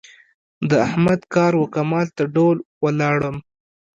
د احمد کار و کمال ته ډول ولاړم.